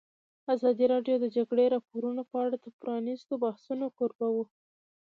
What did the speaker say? ازادي راډیو د د جګړې راپورونه په اړه د پرانیستو بحثونو کوربه وه.